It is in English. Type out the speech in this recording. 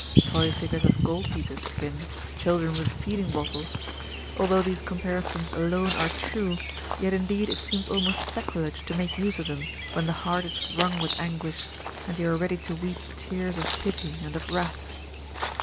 Toy figures of gold beater's skin, children with feeding bottles although these comparisons alone are true, yet indeed it seems almost sacrilege to make use of them when the heart is wrung with anguish and you are ready to weep tears of pity and of wrath.